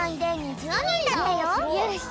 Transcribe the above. よし！